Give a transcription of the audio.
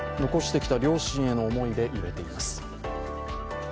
残してきた両親への思いで揺れています。